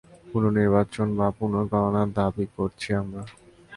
পুনঃনির্বাচন বা পুনঃগণনার দাবি করছি আমরা।